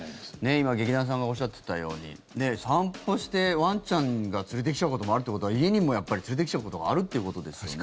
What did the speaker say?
今、劇団さんがおっしゃっていたように散歩して、ワンちゃんが連れてきちゃうこともあるということは家にも連れてきちゃうことがあるということですよね。